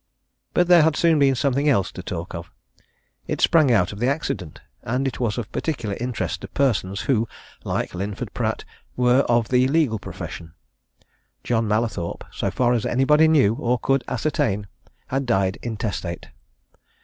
But there had soon been something else to talk of. It sprang out of the accident and it was of particular interest to persons who, like Linford Pratt, were of the legal profession. John Mallathorpe, so far as anybody knew or could ascertain, had died intestate.